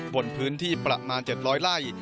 บนพื้นที่ประมาณ๗๐๐ไร่